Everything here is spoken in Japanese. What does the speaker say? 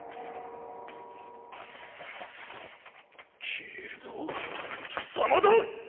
消えるのは貴様だ！